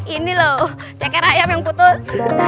ini loh ceker ayam yang putus